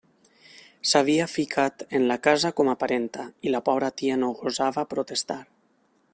S'havia ficat en la casa com a parenta, i la pobra tia no gosava protestar.